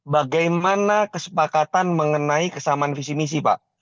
bagaimana kesepakatan mengenai kesamaan visi misi pak